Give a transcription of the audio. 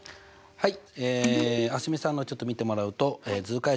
はい。